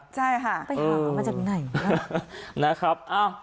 ใช่ค่ะเออนะครับเอ้า